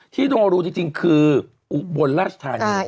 ที่โนรูจริงคือบนราชธานี